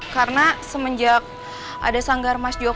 karena semenjak ada sanggar mas joko